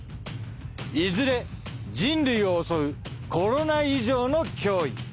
いずれ人類を襲うコロナ以上の脅威。